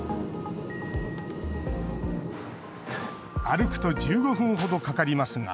歩くと１５分ほどかかりますが。